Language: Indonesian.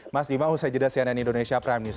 mas bima usai jeda cnn indonesia prime news